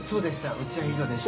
うちは井戸でした。